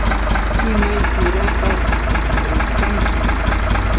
¿imay uurataq rikchanki?